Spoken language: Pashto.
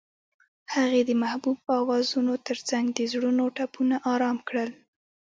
هغې د محبوب اوازونو ترڅنګ د زړونو ټپونه آرام کړل.